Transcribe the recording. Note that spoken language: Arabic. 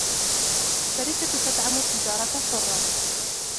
الشركة تدعم التجارة الحرة.